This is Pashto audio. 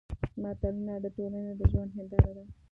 متلونه د ټولنې د ژوند هېنداره ده